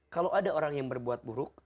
kalau ada orang yang berbuat buruk